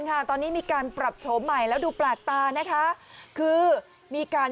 ค่ะตอนนี้มีการปรับโฉมใหม่แล้วดูแปลกตานะคะคือมีการ